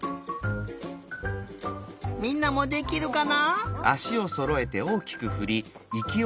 みんなもできるかな？